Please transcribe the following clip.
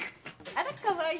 あらかわいい。